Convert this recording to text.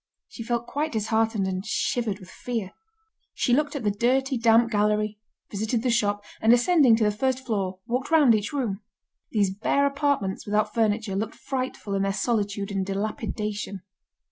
She felt quite disheartened, and shivered with fear. She looked at the dirty, damp gallery, visited the shop, and ascending to the first floor, walked round each room. These bare apartments, without furniture, looked frightful in their solitude and dilapidation.